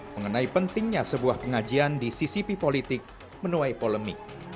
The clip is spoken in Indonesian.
mengenai pentingnya sebuah pengajian disisipi politik menuai polemik